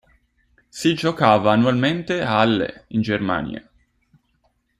Si giocava annualmente a Halle in Germania.